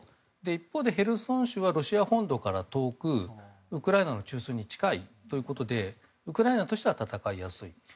一方でヘルソン州はロシア本土から遠くウクライナの中枢に近いということでウクライナとしては戦いやすい。